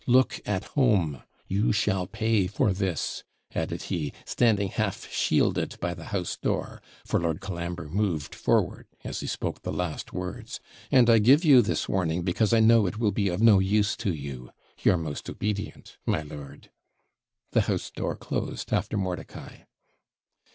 'Look at home you shall pay for this,' added he, standing half shielded by the house door, for Lord Colambre moved forward as he spoke the last words; 'and I give you this warning, because I know it will be of no use to you Your most obedient, my lord.' The house door closed after Mordicai.